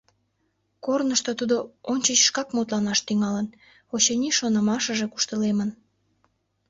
Корнышто тудо ончыч шкак мутланаш тӱҥалын: очыни, шонымашыже куштылемын.